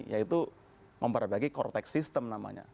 yaitu memperbagi core tax system namanya